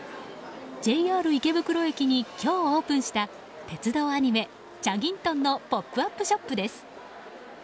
ＪＲ池袋駅に今日オープンした鉄道アニメ「チャギントン」のポップアップショップです。